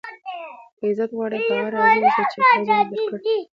که عزت غواړئ؟ په هغه راضي اوسئ، چي خدای جل جلاله درکړي دي.